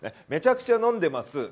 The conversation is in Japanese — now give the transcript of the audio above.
めちゃくちゃ飲んでます。